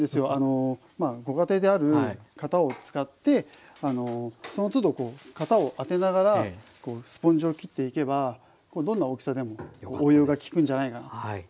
ご家庭である型を使ってそのつど型を当てながらスポンジを切っていけばどんな大きさでも応用が利くんじゃないかなと思います。